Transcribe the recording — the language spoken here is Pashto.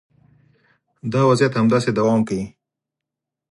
دا وضعیت همداسې دوام کوي